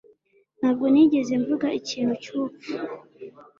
Ntabwo nigeze mvuga ikintu cyubupfu.